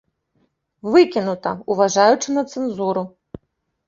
Выкінута, уважаючы на цэнзуру.